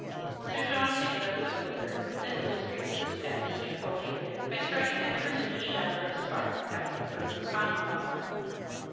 Sir John takes up the poker, and illustrates this passage of holy writ by striking a tremendous shower of sparks out of a burning j)ine log.